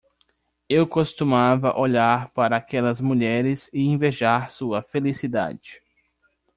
Eu costumava olhar para aquelas mulheres e invejar sua felicidade.